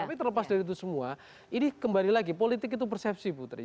tapi terlepas dari itu semua ini kembali lagi politik itu persepsi putri